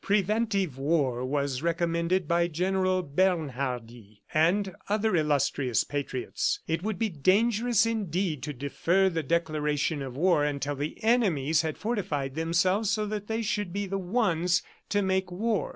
Preventive war was recommended by General Bernhardi and other illustrious patriots. It would be dangerous indeed to defer the declaration of war until the enemies had fortified themselves so that they should be the ones to make war.